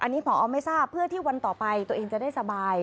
อันนี้พอไม่ทราบเพื่อที่วันต่อไปตัวเองจะได้สบาย